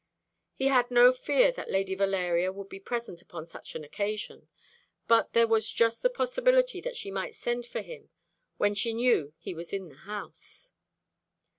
He had no fear that Lady Valeria would be present upon such an occasion; but there was just the possibility that she might send for him when she knew he was in the house.